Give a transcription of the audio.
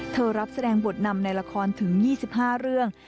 รับแสดงบทนำในละครถึง๒๕เรื่อง